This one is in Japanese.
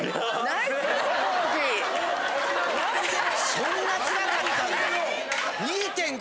そんなつらかったんだ。